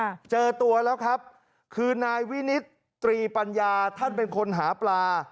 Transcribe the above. เจอตัวแล้วครับคือนายวินิตตรีปัญญาท่านเป็นคนหาปลา